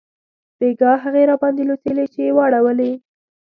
بیګاه هغې راباندې لوڅې لیچې واړولې